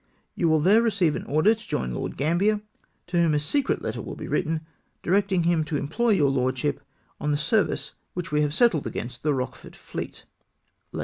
You will there receive an order to join Lord Gambler, to whom a secret letter will be written, directing him to employ your Lordship on the service which we have settled against the Kochefort fleet."